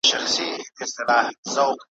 څه خوبونه سړی ویني بیرته څنګه پناه کیږي `